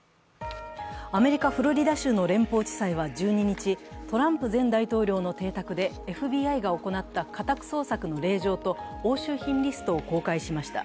アメリカ・フロリダ州の連邦地裁は１２日、トランプ前大統領の邸宅で、ＦＢＩが行った家宅捜索の令状と押収品リストを公開しました。